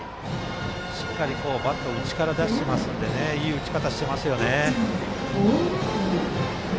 しっかりバットを内から出しているのでいい打ち方してますよね。